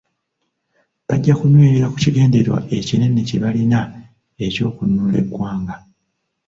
Bajja kunywerera ku kigendererwa ekinene kye balina eky'okununula eggwanga.